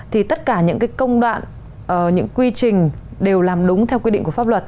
thì tất cả những cái công đoạn những quy trình đều làm đúng theo quy định của pháp luật